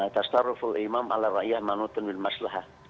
tasarrufu imam ala rakyat manutun min maslahah